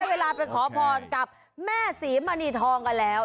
เวลาไปขอพรกับแม่ศรีมณีทองกันแล้ว